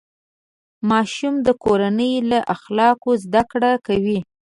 ماشوم د کورنۍ له اخلاقو زده کړه کوي.